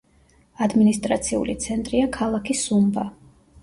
ადმინისტრაციული ცენტრია ქალაქი სუმბა.